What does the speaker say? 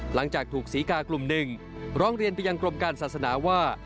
หลังจากถูกศรีกากลุ่มหนึ่งร้องเรียนไปยังกรมการศาสนาว่า